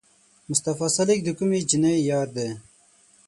مصطفی سالک د کومې جینۍ یار دی؟